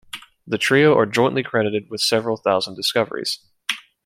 The trio are jointly credited with several thousand discoveries.